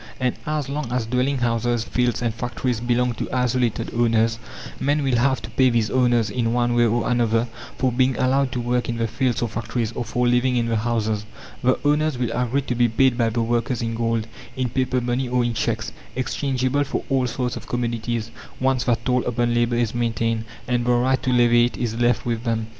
And as long as dwelling houses, fields, and factories belong to isolated owners, men will have to pay these owners, in one way or another, for being allowed to work in the fields or factories, or for living in the houses. The owners will agree to be paid by the workers in gold, in paper money, or in cheques exchangeable for all sorts of commodities, once that toll upon labour is maintained, and the right to levy it is left with them.